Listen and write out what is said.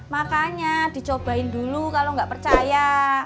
makanya dicobain dulu kalau nggak percaya